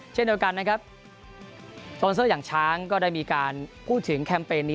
เช่นเดียวกันนะครับโซนเซอร์อย่างช้างก็ได้มีการพูดถึงแคมเปญนี้